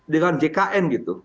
dengan jkn gitu